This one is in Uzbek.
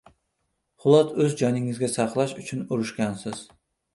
Xullas, o‘z joningizni saqlash uchun urushgansiz!